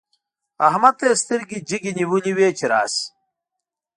احمد ته يې سترګې جګې نيولې وې چې راشي.